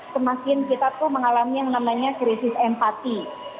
semakin kita tuh mengalami yang namanya krisis empati